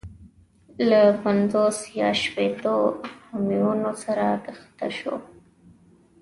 له پنځوس یا شپېتو همیونو سره کښته شو.